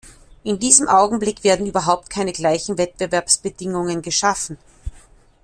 In diesem Augenblick werden überhaupt keine gleichen Wettbewerbsbedingungen geschaffen.